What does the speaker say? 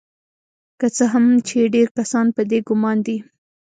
که څه هم چې ډیر کسان په دې ګمان دي